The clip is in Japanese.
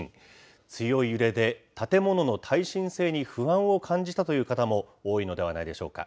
強い揺れで、建物の耐震性に不安を感じたという方も多いのではないでしょうか。